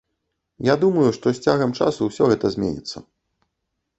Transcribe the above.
Я думаю, што з цягам часу ўсё гэта заменіцца.